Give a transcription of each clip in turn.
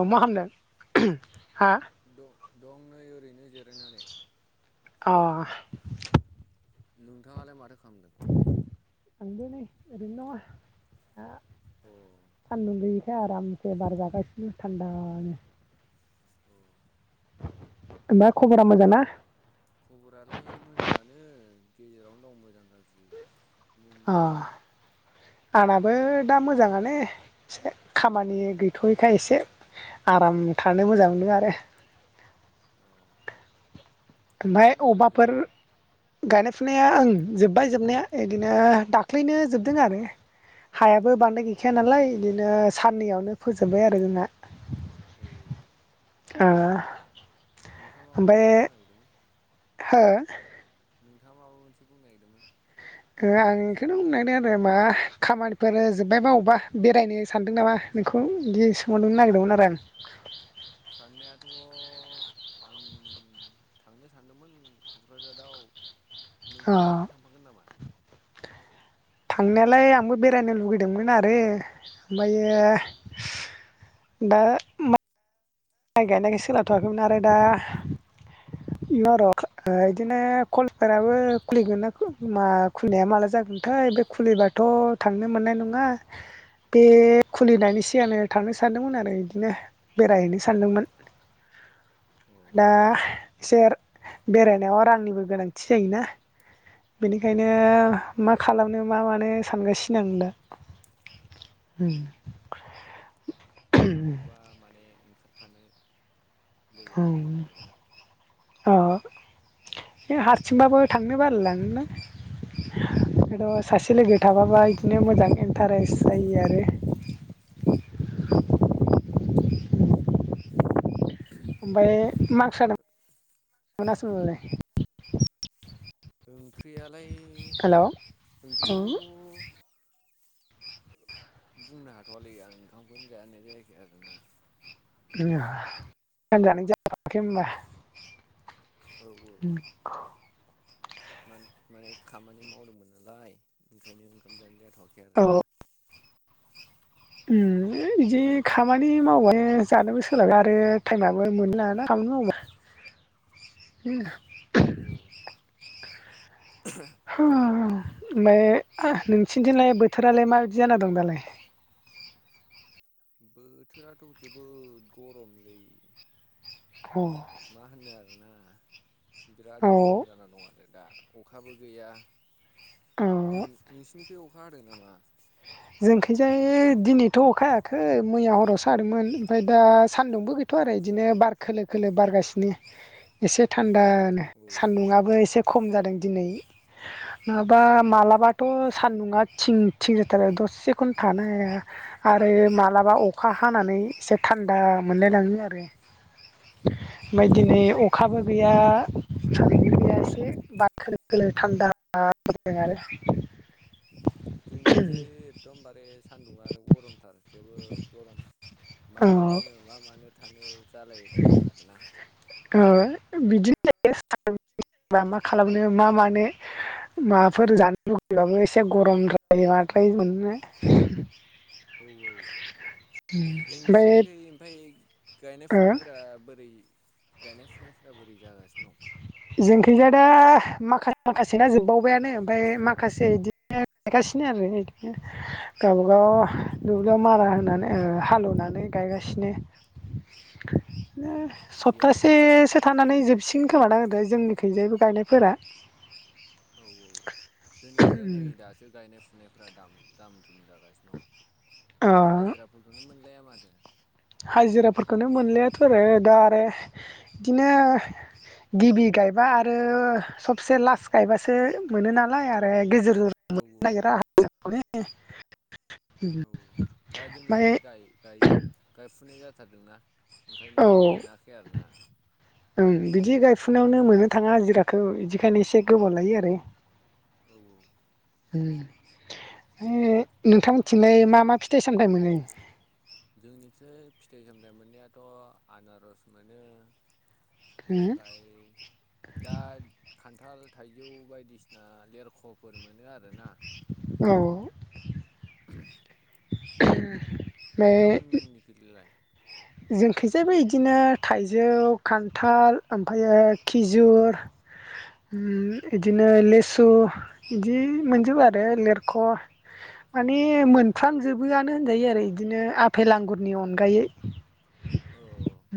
औ मा खामदों? हा दं दं नै ओरैनो जिरायनानै। अ नोंथाङालाय‌ माथो खामदों? आंबो नै ओरैनो दङ। अ सान्दुं गैयैखाय आरामसे बार जागासिनो थान्दानो। अ ओमफ्राय खबरा मोजां ना? खबरालाय मोजाङानो गेजेरावनो दं मोजां गाज्रि। अ नोंनालाय आंनाबो दा मोजाङानो एसे खामानि गै थ'यिखाय एसे आराम थानो मोजां मोनदों आरो। औ गायनाय ओमफ्राय फुनायफोरा अबावबाफोर जोब्बायना गायनाय फुनाया ओं जोब्बाय जोबनाया बिदिनो दाख्लैनो जोबदों आरो। हायाबो औ बांद्राय गैखाया नालाय बिदिनो औ साननैयावनो फोजोबबाय आरो जोंना। औ औ ओ नोंथाङा माबा ओमफ्राय मोनसे बुंनो नागिरदोंमोन? हो? नोंथाङा माबा मोनसे बुंनो नागिरदोंमोन? आं इखौनो बुंनायदों आरो मा खामानिफोर जोबबायबा अबेबा बेरायनो सानदों नामा नोंखौ बिदि सोंहरदोंनो नागिरदोंमोन आरो आं। साननायाथ' आं थांनो सानदोंमोन क'क्राझाराव नोंथाङा अ थांफागोन नामा? थांनायालाय आंबो बेरायनो लुबैदोंमोन आरो अ ओमफ्रायो दा माइ गायनायखाय सोलाबथ'वाखैमोन आरो दा इ र' बिदिनो कलफोराबो खुलिगोन ना मा खुलिनाया माला जागोनथाय बे खुलिबाथ' थांनो मोननाय नङा। बे खुलिनायनि सिगांनो थांनो सानदोंमोन आरो बिदिनो बेरायहैनो सानदोंमोन। औ दा एसे बेरायनायाव रांनिबो गोनांथि जायोना। औ बेनिखायनो मा खालामनो मा मानो सानगासिनो आं दा उम थाङोबा माने ओंखारफानो लोगो नांगौमोन आरोना ओम अ बे हारसिंबाबो थांनो बालायलाङोना बे सासे लोगो उम थाफाबा बिदिनो मोजां इन्टारेस्ट जायो आरो औ औ ओमफ्राय मारकसा मोनासैमोनलाय ओंख्रियालाय हेलौ ओंख्रिखौथ' बुंनो हाथ'वलै आं ओंखामखौनो जानाय जायाखै आरोना [unintelligible] औ औ माने माने खामानि मावदोंमोन नालाय ओंखायनो ओंखाम जानाय जाथयाखै आरोना उम बिदि खामानि मावबाय जानोबो सोलाबा आरो टाइमाबो मोनलाना खामानि मावबा [unintelligible] उ औ ओमफ्राय नोंसिनिथिंलाय बोथोरालाय माबायदि जाना दं दालाय? नोसोरनिथिंलाय बोथोरालाय माबायदि जान दं? बोथोराथ' जोबोद गरमलै औ मा होननो आरोना औ बिराद गरम जाना दं आरो दा अखाबो गैया, औ नों- नोंसिनिथिं अखा हादों नामा? जोंखायजाय दिनैथ' अखा हायाखै मैया हराव सा हादोंमोन ओमफ्राय दा सान्दुंबो गै थ' आरो बिदिनो बार खोलो खोलो बारगासिनो एसे थान्दानो औ सान्दुंङाबो एसे खम जादों दिनै नङाबा मालाबाथ' सान्दुंङा थिं थिं आरो दसेखौनो थानो हाया। आरो माब्लाबा अखा हानानै एसे थान्दा मोनलायलाङो आरो। [unintelligible] ओमफ्राय औ दिनै औ अखाबो गैया जों सान्दुंबो गैया एसे बार खोलो खोलो थान्दा जादों आरो जोंनि थिंजाय एखदमबारे सान्दुङानो गरमथार जोबोद गरम मा औ खालामनो? मा मानो थानो जालायलायदों आर ना। बिदिनो जायो सा मा खालामनो मा मानो। माबाफोर जानो लुगैबाबो एसे गरमद्राय माद्राय मोन्नाय औ औ ओमफ्राय नोंसिनिखै ओमफाय गायनाय ओ फुनायफोरा बोरै गायनाय फुनायफोरा बोरै जागासिनो दं। जोंनिखैजाय दा माखासे ना जोबबावबायानो ओमफ्राय माखासे बिदिनो गायगासिनो आरो गावब गाव बेयाव अ मारा होनानै हालौवनानै गायगासिनो इदि आरोना मानेश्रसप्तासेसो मानेखे थानानै जोबसिगोन खोमा जोंनि खैजायबो गायनायफोरा। औ औ जोंनिखिजाय नै दासो गायनाय फुनायफोरा दाम दाम दुम जागासिनो। औ अ हाजिराफोरखौनो मोनलाया माथो। हाजिराफोरखौनो मोनलायाथ' आरो आदा आरो बिदिनो गिबि गायबा आरो सबसे लास गायबासो मोनो नालाय आरो गेजेर औ मोन्नो नागिरा औ दा ओमफ्राय जोंनिखिजाय गाय गाय गायफुनाय जाथारदोंना ओंखायनो औ मोनाखै आरोना। ओं बिदि गायफुनायावनो मोननो थाङा हाजिराखौ बिदिखायनो एसे गोबाव लायो आरो औ औ। उम नोंथां मोननिथिंलाइ मा मा फिथाइ मा सामथाइ मा मोनो फिथाइ सामथाय मोनो? जोंनिथिंजाय फिथाइ सामथाइ मोन्नायाथ' आनारस मोनो। बेनिफ्राय दा खान्थाल थाइजौ बायदिसिना लेरख'फोर मोनो आरोना। औ। उम उहम [inaudible] नोंथां मोननिखैलाय जोंखैजायबो बिदिनो थाइजौ खान्थाल ओमफ्रायो खिजुर जौ उम बिदिनो लिसु बिदि मोनजोबो आरो लेरख' माने औ मोनफ्रामजोबोआनो होनजायो एदिनो आफेपल आंगुरनि अनगायै औ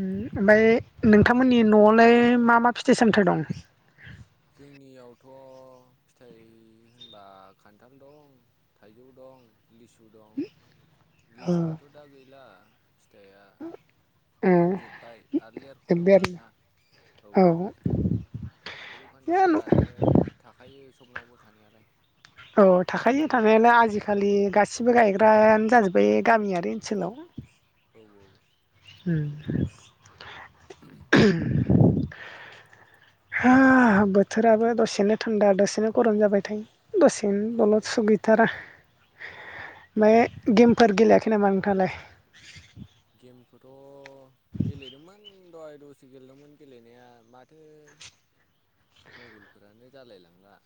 ओमफ्राय नोंथांमोननि न'आवलाय मा मा फिथाइ सामथाइ दं। जोंनियावथ' फिथाइ होनबा खान्थाल दं। थाइजौ दं लिसु दं ओ लिसुआथ' दा गैला फिथाइया जोबबाय आरो लेरख' जोब्बाय दं आरोना। औ औ थाइजौ आरो औ खान्थालफोरानो थाखायो सबनावबो थानायालाय। औ थाखायो थानायालाय आजिखालि गासिबो गायग्रायानो जाजोब्बाय गामियारि ओनसोलाव। औ औ। उम। [inaudible] हा बोथोराबो दसेनो थान्दा दसेनो गरम जाबाय थायो दसेनो बेनो औ दलद सुग गैथारा। ओमफ्राय गेमफोर गेलेयाखै नामा नोंथाङालाय? गेमखौथ' गेलेदोंमोन दहाय दसे गेलेदोंमोन गेलेनाया माथो मबाइलफोरानो जालायलांला।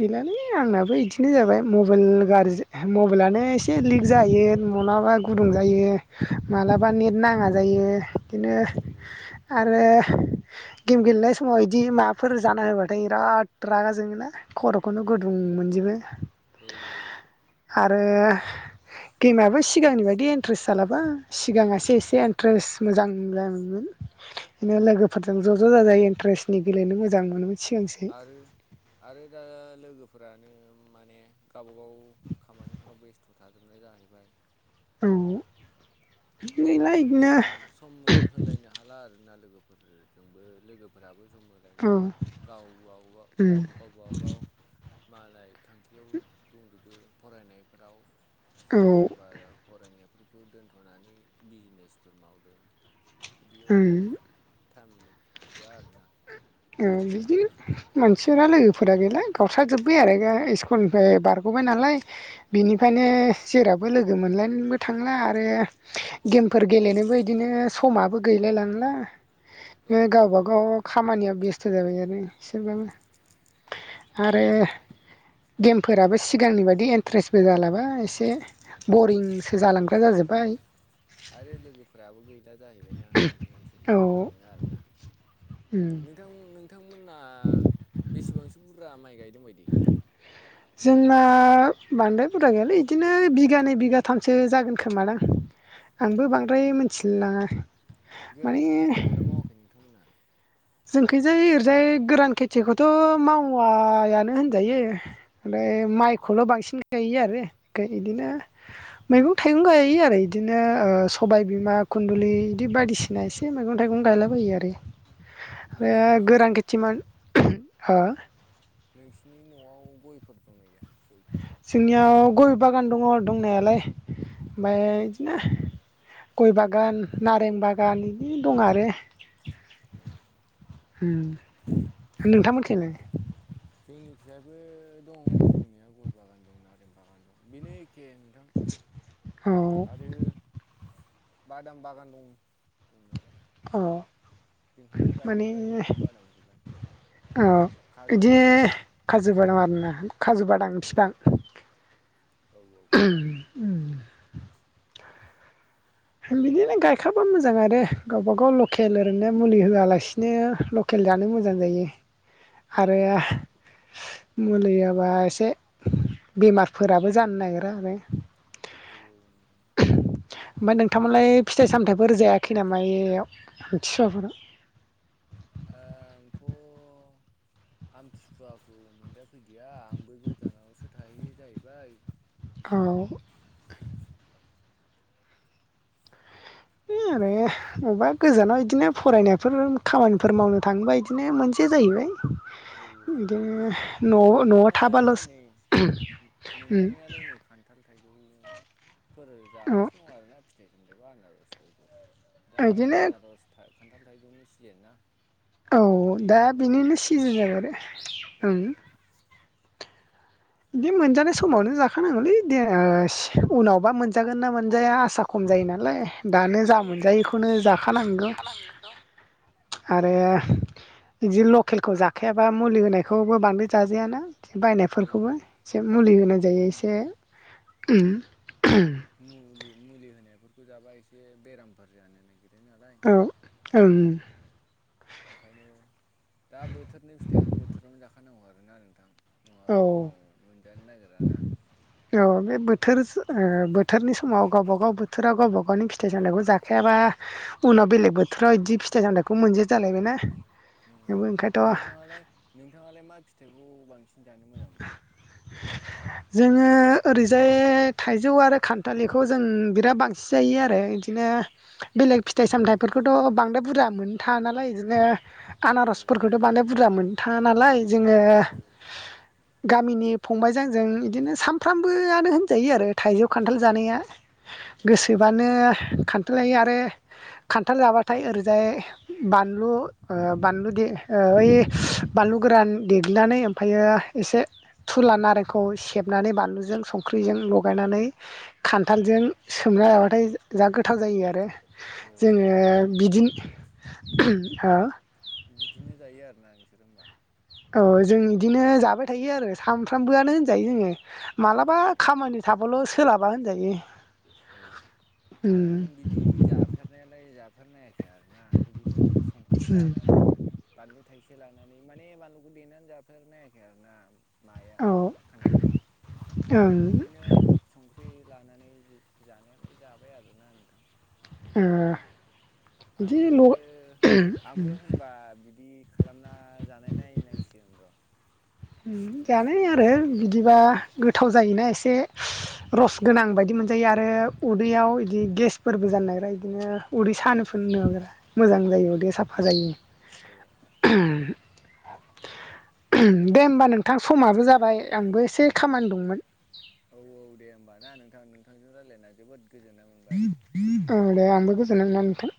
गैलालै आंनाबो बिदिनो जाबाय मबाइल गाज्रि मबाइलानो एसे लिक जायो मलााबा गुदुं जायो मालाबा नेट नाङा जायो बिदिनो औ आरो गेम गेलेनाय समाव बिदि माबाफोर जाना होबाथाय बिराद रागा जोङो ना? खर'खौनो औ गुदुं मोनजोबो। औ आरो गेमाबो सिगांनि बायदि इन्ट्रेस जालाबा सिगाङ औ एसे एन्ट्रेस्ट मोजां जायोमोन बिनो लोगोफोरजों ज' ज' जाजाय इन्ट्रेस्नि गेलेनो मोजां मोनोमोन। सिगांसो आरो आरो दा लोगोफोरानो माने गावबागाव खामानिफोराव बेस्थ' थाजोबनाय जाहैबाय। औ गैला ओंखायनो बिदिनो सम सम होलायनो हाला आरोना लोगोफोरजोंबो लोगोफोराबो जोंबो होलायनो औ हाला गाव वाव उम गाव गाव गावबागाव मालाय थांखियाव दंजोबो फरायनायफोराव औ सोरबा सोरबा फरायनायफोरखौ दोन्थ'नानै बिजनेसफोर मावदों। इदियावनो उम थाङो थोआ आरोना। औ बिदिनो मानसिफोरा लोगोफोरा गैला गावस्राजोब्बाय आरो गा इ्कुलनिफ्राय बार गबबाय नालाय औ बिनिफ्रायनो जेरावबो लोगो मोनलायनोबो थांला आरो गेमफोर गेलेनोबो इदिनो समाबो गैलाय लांला। औ गावबा औ गाव खामानिया बेस्थ' जाबाय आरो इसेबाबो आरो गेमफोराबो सिगांनि बाददि इन्ट्रेस्बो जालाबा एसे बरिंसो जालांग्रा जाजोब्बाय। आरो लोगोफोराबो गैला जाहैबायना ओंखायनो एसे औ बरिं मोनो आरोना उम [unintelligible] नोंथां नोंथांमोना बेसेबांसो बुरजा माइ गायदों बायदि? जोंना बांद्राय बुरजा गैयालै बिदिनो बिगानै बिगाथामसो जागोन खोमालां। औ आंबो बांद्राय मोनथिलायलाङा। गोरान खेथि मावगोन ना मावाखै नोंथांमोना? जोंखैजाय ओरैजाय गोरान खेथिखौथ' मावायानो होनजायो। ओमफ्राय औ माइखौल' बांसिन गायो आरो ओमफ्राय इदिनो मैगं-थाइगं गायो आरो इदिनो ओ औ सबाय बिमा खुन्दुलि इदि बायदिसिना एसे मैगं थाइगं गायलाबायो आरो। ओमफ्राय हा नोंसिनाव गोरान खेथिमोन [unintelligible] नोंसिनि न'आव गयफोर दंना गैया गयफोर? जोंनियाव गय बागान दङ दंनायालाय औ ओमफाय [unintelligible] गय बागान नारें बागान बिदिनो दं आरो। [unintelligible] ओम नोंथांमोनथिंलाय? जोंनि फिसायबो दं दंनाया गय बागान दं नारें बागान दं बेनो एखे नोंथां। औ। आरो बादाम बागान दं दंनायालाय। औ। जोंहानो गायदों माने गायनायखौ बादाम खौलाय। औ काजु इदि खाजु बादाम आरोना खाजु बादां औ फिफां। औ [unintelligible] बिदिनो गायखाबा मोजां आरो गावबागाव लकेल ओरैनो मुलि होआलासि बिदिनो लकेल जानो मोजां जायो आरो मुलि होवाबा एसे बेमारफोराबो जानो नागिरा आरो। औ औ नोंथां। ओमफाय नोंथांमालाय फिथाइ सामथाइफोर जायाखै नामा ओइयाव आमथिसुवाफोराव? आंथ'। आमथिखुवाखौ मोनजा फैदिया आंबो गोजानावसो थाहैयो जाहैबाय। औ। आरो मबेबा गोजानाव इदिनो फरायनोफोर खामानिफोर मावनो थाङोबा इदिनो मोनसे जाहैबाय औ औ बिदिनो। न'आव न'आव मोनजानायालाय थाबाल'सो नै मो उम मोनजानायालाय नै खान्थाल थाइजौफोर औ जागासिनो दं आरोना फिथाइ सामथाइखौ आनारसफोरखौ। दा बिदिनो आनारस था खान्थाल थाइजौनि सिजेन ना? औ दा बेखौ बेनिनो सिजोन जाबाय आरो औ ओं। बिदि मोनजानाय समावनो जाखानांगौलै दे ओ उनावबा मोनजागोन ना मोनजाया आसा खम जायो नालाय दानो जा औ औ मोनजायो इखौनो नोंथां जाखानांगौ। आरो बिदि लकेलखौ जाखायाबा मुलि होनायखौबो बांद्राय जाजायाना। औ बायनायफोरखौबो औ एसे मुलि होनाय जायो एसे उम मुलि मुलि होनायफोरखौ जाबा एसे बेरामफोर जानो नागिरो नालाय। [unintelligible] ओं ओंखायनो दा बोथोरनि फिथाइखौ बोथोरावनो जाखानांगौ आरोना नोंथां। औ नङाबा उनाव मोनजानो नायगिराना। अ बे बोथोर सो ओ बोथोरनि समाव गावबा गाव बोथोराव गावबा गावनि फिथाइ सामथाइखौ जा खायाबा उनाव बेलेग बोथोराव इदि फिथाइ सामथाइखौ मोनजाया जालायबायना उम जोंबो ओंखायनोथ' नोंथाङालाय नोंथाङालाय मा फिथाइखौ बांसिन जानो मोजां मोनो? [inaudible] जोङो ओरैजाय थाइजौ आरो खान्थालिखौ जों बिराद बांसिन जायो आरो बिदिनो बेलेग फिथाइ सामथाइफोरखौथ' बांद्राय बुरजा मोन थाङा नालाय इदिनो औ आनारसफोरखौथ' माने बुरजा मोनो थाङा नालाय जोङो गामिनि फंबाइजों आंजों इदिनो सामफ्रामबोआनो होनजायो आरो थाइजौ खान्थाल जानाया। औ औ गोसोबानो खान्थाल जायो आरो खान्थाल जाबाथाय ओरैजाय बानलु ओ बानलु दे ओइ बानलु गोरान देग्लिनानै ओमफ्रायो। एसे थुला नारेंखौ सेबनानै बानलुजों संख्रिजों लगायनानै। खान्थालजों सोमना जाबाथाय जा गोथाव जायो आरो। औ जोङो अ आं बिदि हो बिदिनो जायो आरोना नोंसोर ओमबा औ जों इदिनो जाबाय थायो आरो सामफ्रामबोआनो होनजायो जोङो मालाबा औ खामानि थाबोल' सोलाबा होनजायो। औ आं उम बिदि जाफेरनायालाय जाफेरनाया खै आरोना इदिनो संख्रि उम लानानै बानलु थाइसे लानानै माने बानलुखौ देनानै जाफेरनायाखै आरोना। माया औ खान्थालजों ओं इदिनो संख्रि लानानै जानायालाय जाबाय आरोना नोंथां। ओ बिदि आंबो आंबो ल' होनबा बिदि खालामना जानाय नायनांसिगोन र' उम जानाय आरो नोंथांनिफ्राय बिदिबा गोथाव जायोना एसे औ रस गोनां बायदि मोनजायो आरो उदैयाव बिदि गेसफोरबो जानो नागिरा बिदिनो उदै औ सानो फोननो नागोरा मोजां जायो उदैया साफा जायो। अ [inaudible] दे ओमबा नोंथां समाबो जाबाय आंबो एसे खामानि दंमोन। औ औ दे ओमबा ना नोंथां नोंथांजों रायज्लायना जोबोद गोजोननाय मोन औ दे आंबो गोजोन मोनबाय नोंथां।